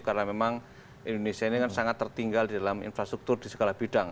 karena memang indonesia ini kan sangat tertinggal di dalam infrastruktur di segala bidang